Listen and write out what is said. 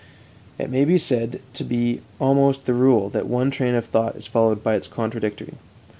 It may be said to be almost the rule that one train of thought is followed by its contradictory.